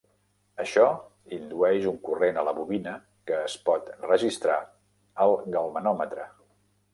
Això indueix un corrent a la bobina que es pot registrar al galvanòmetre.